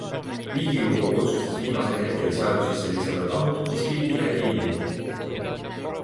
Riigikogu otsustas viimasel hetkel seadusesse lisada tahud, mis kõigile ei meeldi.